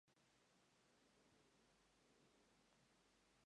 Actualmente vive en Houston, Texas aunque se traslada a Los Ángeles por trabajo.